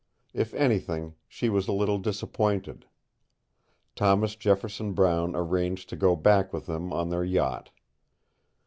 If anything, she was a little disappointed. Thomas Jefferson Brown arranged to go back with them on their yacht.